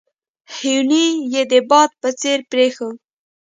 هیوني یې د باد په څېر پرېښود.